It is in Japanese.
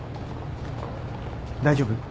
大丈夫？